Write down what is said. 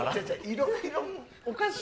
いろいろおかしい。